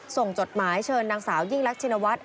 ส่งจดหมายเชิญนางสาวยิงลักษณวัตร